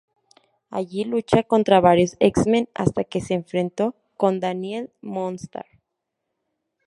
Allí lucha contra varios X-Men hasta que se enfrenta con Danielle Moonstar.